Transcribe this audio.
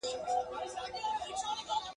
د هر چا په نزد له لوټي برابر یم ..